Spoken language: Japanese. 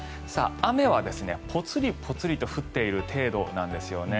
雨はぽつりぽつりと降っている程度なんですよね。